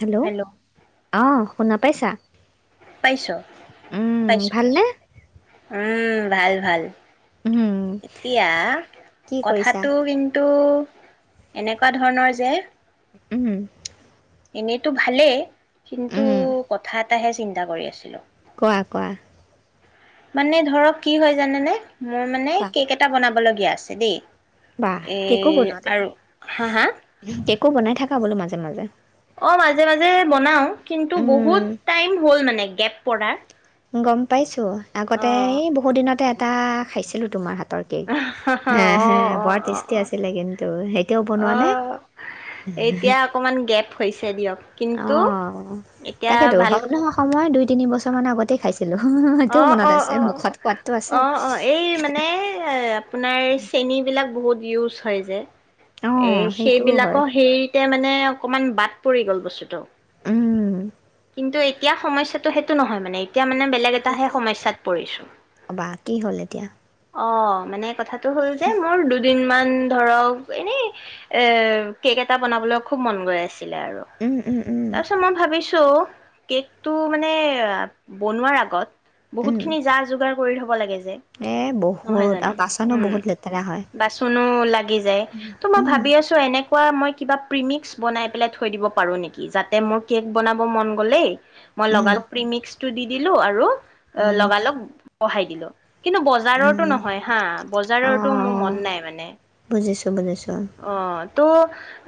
Hello আহ শুনা পাইছা। পাইছোঁ উম পাইছোঁ ভালনে পাইছোঁ উম ভাল ভাল উম এতিয়া কি কৰিছা কথাটো কিন্তু এনেকুৱা ধৰণৰ যে উম এনেইতো ভালেই কিন্তু উম কথাত এটাহে চিন্তা কৰি আছিলোঁ কোৱা কোৱা মানে ধৰক কি হয় জানেনে মই মানে কেক এটা বনাব লাগিব আছে দেই বা কেকো এই বনোৱা তুমি আৰু হা হা কেকো বনাই থাকা খাও বোলো মাজে মাজে অ মাজে মাজে বনাও কিন্তু উম বহুত টাইম হ'ল মানে কেব প্ৰদাৰ গম পাইছোঁ ত আগতে এই বহুত দিনতে এটা খাইছিলোঁ তোমাৰ হাত অ অ এহে বৰ অ অ টেচটি আছিলে কিন্তু এতিয়াও বনোৱা অ নে এতিয়া অকমান গেপ হৈছে দিয়ক কিন্তু অহ এতিয়া তাকেতো হ ভাল নহয় সময় তিনিবছৰমান আগত তে খাইছো অ অ অ আছে অ অ এই মানে এ আপোনাৰ চেনী বিলাক বহুত ইউজ হয় যে এ অঁ সেইটোও হয় সেইবিলাকৰ সেই এতিয়া মানে অকণমান বাট পৰি গ'ল বস্তুটো উম কিন্তু এতিয়া সমস্যাটো সেইটো নহয় মানে এতিয়া মানে বেলেগ এতিয়া এটাহে কি সমস্যয়াত পৰিছো বা কি হ'ল এতিয়া অ মানে কথা তো হ'ল যে মোৰ দু দিন মান ধৰক এনেই এ কেক এটা বনাবলৈ খুব মন গৈ আছে আৰু উম উম উম তাৰ পিছত মই ভাবিছো চ' কেকটো মানে এ বনোৱাৰ আগত বহুত উম খিনি যা যোগাৰ কৰি থ'ব লাগে যে এ, নহয় বহুত জানো আৰু বাচনো উম বহুত লেতেৰা হয় বাচনো লাগি যায় ত' মই উম ভাবি আছো এনেকে। কোৱা মই কিবা প্ৰিমিক্স বনাই পেলাই থৈ দিব পাৰোঁ নেকি যাতে মোৰ কেক বনাব মন গ'লেই মই উম লগালো প্ৰিমিক্স টো দি দিলো আৰু অ' উম লগালগ বহাই দিলো। কিন্তু বজাৰত। সেইটো উম নহয় হা বজাৰতো মোৰ মন নাই মানে। ত' বুজিছোঁ। অ' তো।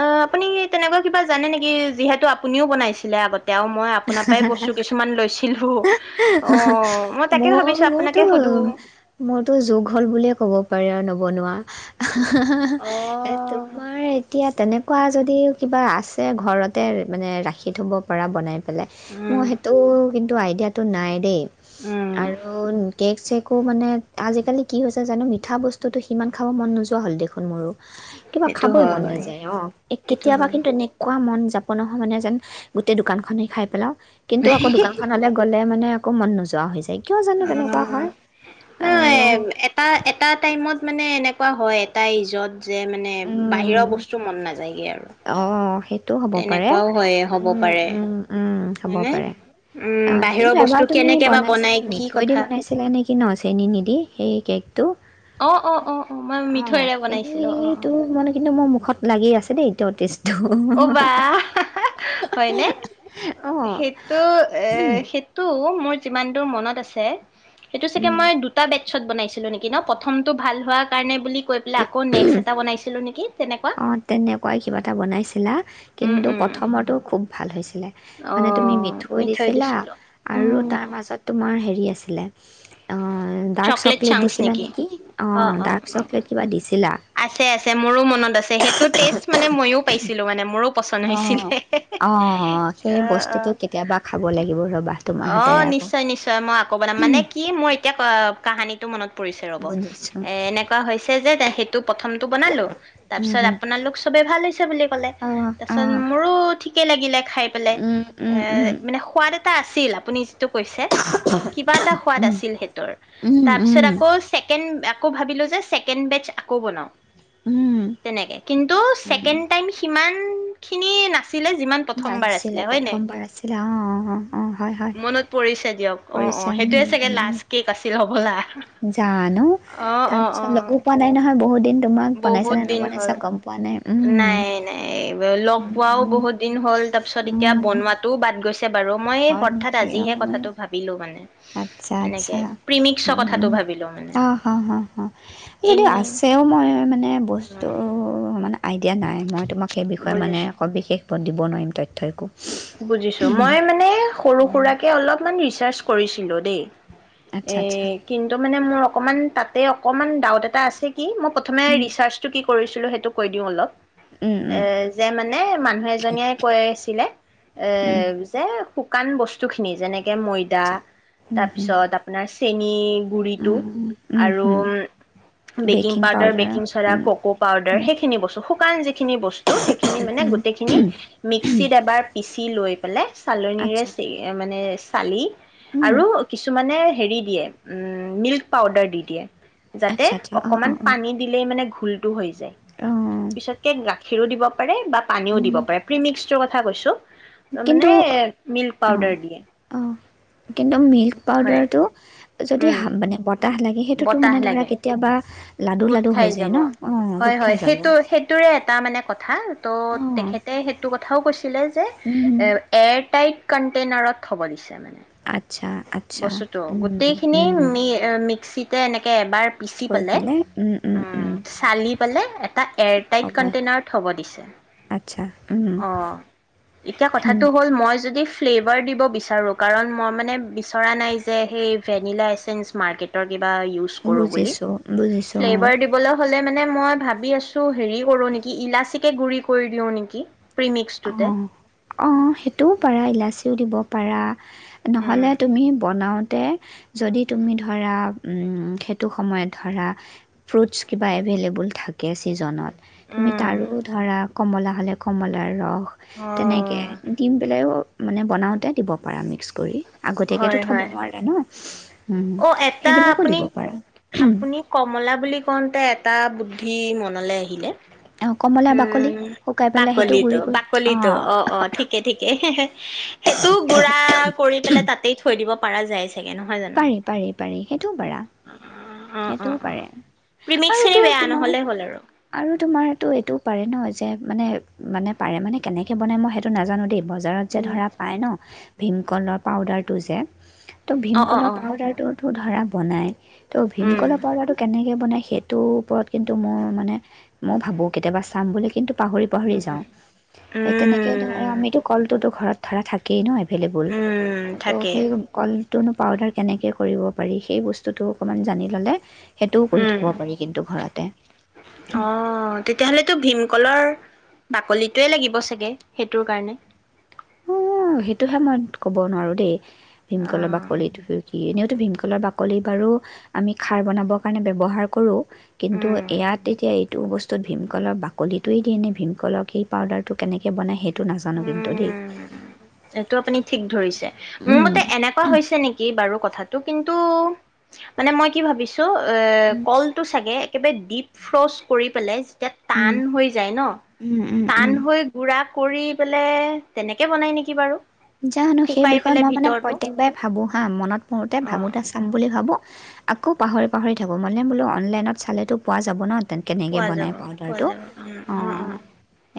অ' আপুনি তেনেকুৱা কিবা জানে নেকি যিহেতু আপুনিও বনাইছিলে আগতে। মই আপোনাৰ পৰাই বস্তু কিছুমান লৈছিলো অ মই তাকে মোৰ ভাবিছো আপোনাকে মোৰতো সুধো মোৰতো যোগ হ'ল বুলিয়ে ক'ব পাৰি আৰু ন। বনোৱা। অ তোমাৰ এতিয়া তেনে। কোৱা যদি কিবা আছে ঘৰতে মানে ৰাখি থব পৰা বনাই পেলাই। উম মোৰ সেইটো কিন্তু আইডিয়া টো নাই দে। উম, আৰু কেক চেক। আকৌ মানে আজিকালি কি হৈছে জানো মিঠা বস্তুটো সিমান খাব মন নোযোৱা হ'ল দেখোন মোৰো। কিবা সেইটো খাবই মন হয়, নাযায় অ' এ সেইটো কেতিয়াবা হয়। কিন্তু এনেকুৱা মন যায়। যাপ নহয় মানে যেন গোটেই দোকানখনেই খাই। হেল্ল' কিন্তু আকৌ দোকান খলৈ গ'লে মানে। আকৌ মন নোযোৱা হৈ যায়। কিয় জানো তেনেকুৱা উম, হয় নহয় আৰু এটা এটা টাইমত মানে এনে। এনেকুৱা হয় এটা ইজত। যে মানে উম বাহিৰৰ বস্তু মন নাযায়গে আৰু। অ সেইটো হ'ব পাৰে তেনেকুৱাও হয় হ'ব পাৰে উম উম হ'ব হয়নে? পাৰে উম, অ' বাহিৰৰ কিন্তু বস্তু এবাৰ তুমি কেনেকে বা বনাই বনাইছিলা কি মিঠৈ দি কথা। বনাইছিলা নেকি ন চেনি নিদি সেই। এক। অ - অ -অ- অ মই মিঠৈৰে বনাইছিলো অ' সেইটো কিন্তু মোৰ মুখত লাগি আছে দেই এতিয়াও টেষ্ট। অ' বা হয়নে? অ সেইটো এ সেইটো মই যিমান দূৰ মনত আছে সেইটো চাগে মই দুটা বেত পিছত বনাইছিলো নেকি ন প্ৰথমটো ভাল হোৱা কাৰণে বুলি গৈ পেলাই আকৌ নেক্স এটা বনাইছিলো নেকি তেনেকুৱা অঁ তেনেকুৱাই কিবা এটা বনাইছিলা উম কিন্তু উম প্ৰথমটো খুব ভাল হৈছিলে অ মানে তুমি মিঠৈ দিছিলা দিছিলো আৰু উম তাৰ মাজত তোমাৰ হেৰি শুই আছিলা অঁ ডাৰ্ক চকলেট দিছিলা নেকি অ অঁ অ ডাৰ্ক অ চকলেট কিবা দিছিলা আছে আছে মোৰো মনত সেইটো টেষ্ট মানে মইয়ো পাইছিলো মানে মোৰো পচন্দ অঁ হৈছিলে অঁ সেই অহ অঁ বস্তুটো কেতিয়াবা খাব লাগিব ৰ'বা তোমাৰ অঁ অঁহ হাতেৰে আকৌ নিশ্চয় নিশ্চয় মই আকৌ বনাম মানে কি মোৰ এতিয়া কাহানীটো মনত পৰিছে ৰ'ব বুজিছো এ এনেকুৱা হৈছে যে সেইটো প্ৰথমটো বনালো তাৰ উম পিছত হুম আপোনালোক চবে ভাল চব অঁ তাৰপিছত অঁ মোৰো ঠিক লাগিলে খাই পেলাই উম এ উম উম মানে সোৱাদ এটা এটা আছিল আপুনি কৈছে কিবা এটা সোৱাদ উম আছিল সেইটো আৰু উম তাৰ পাছত উম আকৌ ছেকেণ্ড আকৌ ভাবিলো যে ছেকেণ্ড বেচ আকৌ' বনাওঁ উম তেনেকে কিন্তু উম ছেকেণ্ড টাইম সিমান খিনি না নাছিলে প্ৰথমবাৰ আছিলে অ অ অ অ হয় হয় মনত পৰিছে দিয়ক অঁ অঁ কৰিছে সেইটয়ে চাগে লাষ্ট কেক আছিল হ'বলা যানো অ তাৰ অ অ পিছত লগো পোৱা নাই নহয় বহুতদিন বহুত দিন হ'ল উম নাই নাই এ লগ পোৱাও উম বহুত দিন হ'ল তাৰ পিছত এতিয়া উম বনোৱাটোও বাদ গৈছে ছে বাৰু মই হয় হঠাৎ নেকি অ আজিহে কথাটো ভাবিলোঁ মানে আচ্ছা এনেকে আচ্ছা প্ৰিমিক্সৰ উম কথাটো উম ভাবিলো মানে অঁ হা হ যদিও এনেই আছেও মই বস্তু মানে আইডিয়া নাই মই তোমাক সেই বিষয়ে মানে বুজিছো একো বিশেষ দিব নোৱাৰিম তাত বুজিছো মই মানে সৰু সুৰাকে অলপমান ৰিচ চাৰ্জ কৰিছিলোঁ দেই আচ্ছা আচ্ছা এ কিন্তু মানে মোৰ অকণমান তাত তাতে অকনমান ডাউট এটা আছিল কি মই প্ৰথমে উম ৰিচাৰ্জটো কি কৰিছিলো সেইটো কৈ দিওঁ অলপ উম এ উম যে মানে মানুহ এজনীয়ে কৈ আছিলে এ উম যে শুকান বস্তু খিনি যেনেকে জেনেকে ময়দা আচ্ছা উম হুম তাৰপিছত আপোনাৰ চেনি গুৰিটো উম আৰু হুম baking powder powder baking soda উম, কক' পাউডাৰ সেইখিনি বস্তু [unintelligible] বস্তু সেইখিনি মানে গোটেই খিনি মিক্সিত এবাৰ সি লৈ পেলাই চালনিৰে আচ্ছা [inaudible] মানে চালি উম, আৰু কিছুমানে হেৰি দিয়ে নিউত পাউডাৰ দি দিয়ে যাতে আচ্ছা আচ্ছা অঁ অকমান অঁ অঁ পানী দিলেই মানে ফুলটো হয় অঁ পিছত কেক কাপ খিৰো দিব পাৰে বা পানীও দিব উম, পাৰে প্ৰিমিক্সৰ কথা কৈছোঁ ত কিন্তু মানে মিল্ক অ', পাউডাৰ দিয়ে অ', কিন্তু মি হয় পাউদাৰটো যদি উম মানে বতাহ লাগে সেইটোতো বতাহ মানে ধৰা লাগে কেতিয়াবা লাডু গোট লাডু হৈ খাই যায় যাব ন' অ', হয় গোট খাই হয় যাব সেইটো সেইটোৰে এটা মানে এনে কথা ত' অ', তেখেতে সেইটো কথাও কৈছিলে যে উম, এ এয়াৰটাইট কণ্টেইনাৰত থ'ব দিছে মানে আঠ বস্তুতটো গোটেইখিনি উম। মি এ মিক্সিত জে এনে উ এই বাৰ থৈ পিচিপেলাই পেলাই উম, উম, উম, চালি পেলাই এটা এয়াৰটাইড থ'ব কণ্টেইনাৰত থব দিছে, আচ্ছা উম, অ এতিয়া কথা উম, তো হ'ল জে ফ্লেভাৰ দিব বিচাৰোঁ কাৰণ মই মানে চৰা নাই যে সেই ভেনিলাইচেন্স মাৰ্কেটৰ দিম বা ইউচ কৰো বুলি বুজিছোঁ বুজিছোঁ অ'। ফ্লেভাৰ দিবলে হলে মানে মই ভাবি আছো হেৰি কৰো নেকি ইলাচিকে গুৰি কৰি দিও নেকি অ প্ৰিমিক্সটোতে। অ সেইটোও পাৰা ইলাচিও দিব পাৰা নহলে উম তুমি বনাও তে যদি তুমি ধৰা সেইটো সময়ত ধৰা ফ্ৰুটচ কিবা এভেইলেবল থাকে চিজনৰ উম তাৰও ধৰা কমলা হলে কমলা এ ৰহ তেনেকে অ'। দিম পেলাইও মানে বনাওঁতে দিব পাৰা মিক্স কৰি হয় আগতীয়াকো থব হয় নোৱাৰে ন উম অ' এটা সেইবিলাকো আপুনি দিব পাৰা আপুনি কমলা বুলি কওঁতে এটা বুদ্ধি মনলৈ আহিলে অ', কমলা বাকলি উম শুকাই পেলাই সেইটো বাকলিতো গুৰি কৰি বাকলিতো অ অ ঠিকে ঠিকে সেইটো গুড়া কৰি পেলাই তাত দিব পৰা যায় চাগে নহয় জানো পাৰি পাৰি পাৰি সেইটোও পাৰা অ অ সেইটোও অ পাৰে আৰু প্ৰিমিক্সখিনি তো বেয়া তোমাৰ নহ'লে হ'ল আৰু আৰু তোমাৰটো এইটোও পাৰে ন যে মানে মানে পাৰে মানে কেনেকৈ বনায় মই সেইটো নাজানো দেই বজাৰত যে ধৰা পায় ন ভীমকলৰ পাউদাৰটো যে ত অ অ অলপ অ পাউডাৰটোতো ধৰা বনায়। ত' উম ভীমকলৰ পাউদাৰটো কেনেক কে বনায় সেইটোৰ ওপৰত কিন্তু মই মানে ময়ো ভাবো কেতিয়াবা চাম বুলি কিন্তু পাহৰি পাহৰি উম যাওঁ এ তেনেকে ধৰা উম আমিতো কলটোতো ঘৰত ধৰা থাকেই ন এভেইলেবল উম ত' থাকে সেই কল তন [unintelligible] পাউদাৰ কেনেকে কৰিব পাৰি সেই বস্তুটো অকণমান জানি ল'লে সেইটোও কৰি উম থ'ব পাৰি কিন্তু ঘৰতে অহ তেতিয়াহলেতো ভীমকলৰ বাকলিটোৱে লাগিব চাগে সেইটোৰ কাৰণে উমহ সেইটোহে মই ক'ব নোৱাৰো দেই অ ভীমকলৰ বাকলিটো কি এনেও টো ভীমকলৰ বাকলি বাৰু আমি খাৰ বনাবৰ কাৰণে ব্যৱহাৰ কৰোঁ কিন্তু উম এয়াত এতিয়া এত টো বস্তুত ভীমকলৰ বাকলিটোৱেই দিয়ে নে, ভীমকলৰ এই পাউদাৰটো কেনেকৈ বনায় সেই টো নাজানো কিন্তু দেই। উম। এইটো আপুনি ঠিক ধৰিছে। মোৰ উম, মতে এনেকুৱা হৈছে নেকি বাৰু কত থাটো কিন্তু, মানে মই কি ভাবিছ তো এ, কল টো চাগে একেবাৰে ডিপ ফ্ৰচ কৰি পেলাই উম, টান হৈ যায় ন? উম, উম, টান উম। হৈ গুৰা কৰি পেলে, তেনেকে বনায় নেকি বাৰু? জানো সেই শুকাই বিষয়ে পেলাই মই মানে ভিতৰটো প্ৰত্যেকবাৰে ভাবো। আ, মনত পৰোঁতে অ ভাবোঁতে চাম বুলি ভাবোঁ, আকৌ পাহৰি পাহৰি থাকোঁ। মানে বোলো অনলাইনত চালেতো পোৱা যাব ন [unintelligible] কেনেকে পোৱা বনাই যাব পোৱা পাওদাৰটো, যাব অ',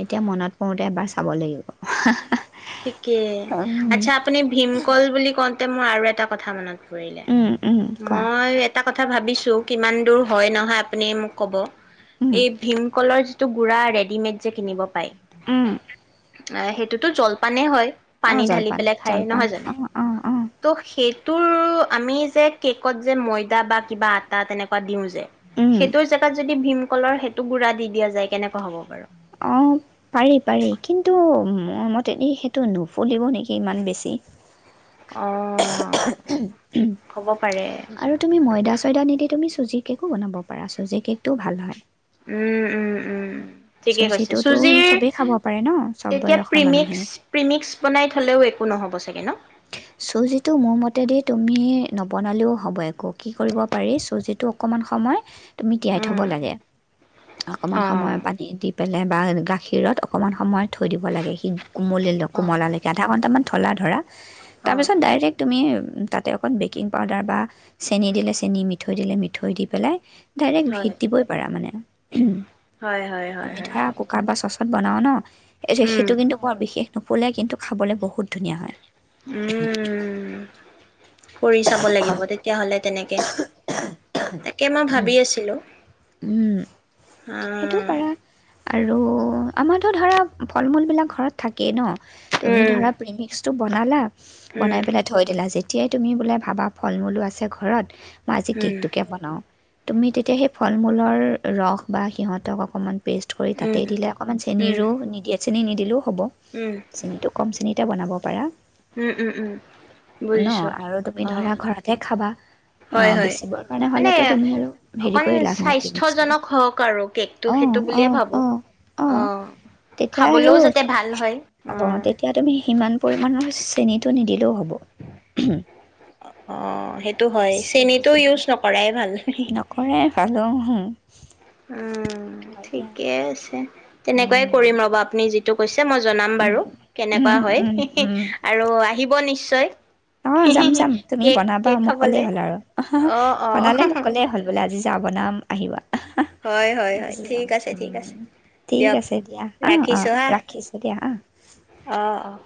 এতিয়া মনত পৰোঁতে এবাৰ চা [unintelligible] লাগিব [inaudible] ঠিক কে, উম, আচ্ছা আপুনি ভীমকল বুলি কওঁত তে মোৰ আৰু এটা কথা মনত পৰিলে। উম, উম, কোৱা মই এটা কথা ভাবিছোঁ, কিমান দূৰ হয় নহয় আপুনি মোক ক'ব। উম, এই ভীমকলৰ যি টো গুড়া ৰেডিমেড যে কিনিব পায়। উম। এ সেইটোতো জল পানেই হয়। পানী অ', ঢালি জলপান পেলাই খায় জলপান নহয় জানো? অ', অ', অ', ত' সেই তোৰ আমি যে কেকত যে ময়দা বা কিবা আটা তেনেকুৱা দিও য উম, সেইটোৰ জেগাত যদি ভীম কলৰ সেইটো গুড়া দি দিয়া যায়, কেনেকুৱা হব বাৰু? অ পাৰি পাৰি, কিন্তু মোৰ মতেদি সেইটো নুফুলিব নেকি ইমান বেছি! অ'। অ', কব পাৰে। আৰু তুমি ময়দা নিদি তুমি চুজিৰ কেকো বনাব পাৰা, চুজিৰ কেকটোও ভাল হয়। উম, উম, উম। ঠিকে কৈছে, চুজিটোতো চুজিৰ চবেই খাব পাৰে ন চব তেতিয়া বয়সৰ মানুহে। প্ৰিমিক্স প্ৰিমিক্স বনাই থলেও একো নহব চাগে ন? চুজিটো মোৰ মতেদি তুমি নবনালেও হ'ব একো, কি কৰিব পাৰি চুজিটো অকণমান সময় তুমি তিয়াই থ'ব উম লাগে অ অকণমান সময় পানী দি পেলাই বা গাখীৰত অকণমান সময় থৈ দিব লাগে সি কোমলিল লও অ কোমলা লৈকে আধা ঘণ্টামান থলা ধৰা তাৰ পিছত অ ডাইৰেক্ তুমি? তাতে অকণ বেকিং পাউদাৰ বা চেনি দিলে চেনি মিঠৈ দিলে মিঠৈ দি পেলাই ডাইৰেক্ট ভিত দিবই পাৰা মানে হয় হয় হয় হয় আমি হয় ধৰা কুকাত বা চচত বনাওঁ ন এই উম সেইটো কিন্তু বৰ বিশেষ নুফুলে কিন্তু খাবলৈ বহুত ধুনীয়া হয় উম কৰি চাব লাগিব তেতিয়াাহলে তেনেকে তাকে মই ভাবি আছিলো উম সেইটোও আহ পাৰা আৰু আমাৰতো ধৰা ফল মূলবিলাক ঘৰত থাকেই ন তুমি উম ধৰা প্ৰিমিকচ টো বনালা বনাই উম পেলাই থৈ দিলা যি। তেতিয়াই তুমি বোলে ভাবা ফল মূলো আছে ঘৰত মই আজি উম কেকটোকে বনাওঁ তুমি তেতিয়া হে ফল মূলৰ ৰস বা সিহঁতক অকণমান পে'ষ্ট কৰি তাতে উম দিলে অকণমান উম চেনীৰো নিদিয়ে চেনি নিদিলোঁ হ'ব উম চেনিটো কম চেনিতে বনাব। পাৰা। উম উম উম ন বুজিছো আৰু তুমি অ ধৰা ঘৰতে খাবা অ হয় হয় বেচিবৰ কাৰণে মানে হলেতো তুমি আৰু হেৰি অকণ পাৰিলা প্ৰেমিকচ কৰি স্বাস্থ্যজনক হওক আৰু কেকটো অ সেইটো অ বুলিয়ে ভাবো অ অ তেতিয়া আৰু খাবলৈও যাতে ভাল হয় অ অকণমান তেতিয়া তুমি সিমান পৰিমান হৈছ চেনিটো নিদিলেও হ'ব উম অ সেইটো। হয় চেনিটো ইউজ নকৰাই ভালে হে -হে নকৰে ভালো হো উম হয় দিয়া ঠিকে আছে তেনেকুৱাই কৰিম ৰ'ব আপুনি যিটো কৈছে মই জনাম বাৰু কেনেকুৱা হয় আৰু আহিব নিশ্চয় চয়। অ', যাম, যাম তুমি বনাবা মোক ক'লেই খাবলে হ'ল, আৰু অঁ অঁ বনালে মোক ক'লে হ'ল বোলে আজি যা বনাম আহিবা। হয় হয় হয় গুচি যাম ঠিক আছে ঠিক উম, আছে। ঠিক দিয়ক আছে দিয়া অ', অ', ৰাখিছোঁ হা ৰাখিছোঁ দিয়া অ'। অঁ অঁ।